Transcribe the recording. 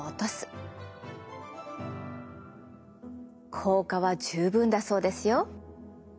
効果は十分だそうですよ。